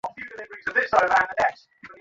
S, ভেতরে এসে বস।